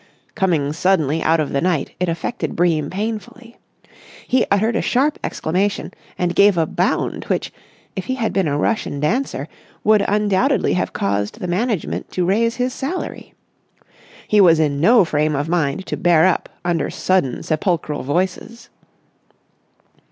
Coming suddenly out of the night it affected Bream painfully. He uttered a sharp exclamation and gave a bound which, if he had been a Russian dancer would undoubtedly have caused the management to raise his salary. He was in no frame of mind to bear up under sudden sepulchral voices.